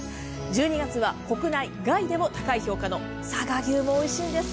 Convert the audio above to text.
１２月は国内外でも高い評価の佐賀牛もおいしいんです。